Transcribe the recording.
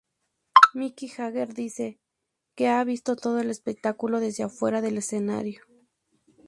Mick Jagger dice que ha visto todo el espectáculo desde afuera del escenario.